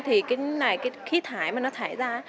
thì cái này cái khí thải mà nó thải ra